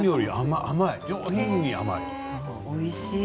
おいしい。